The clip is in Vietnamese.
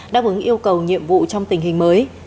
đáp ứng yêu cầu nhiệm vụ trong tình hình mới